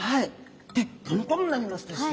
でこのころになりますとですね